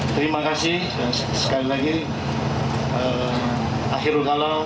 terima kasih dan sekali lagi akhir ulang